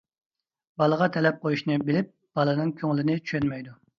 بالىغا تەلەپ قويۇشنى بىلىپ، بالىنىڭ كۆڭلىنى چۈشەنمەيدۇ.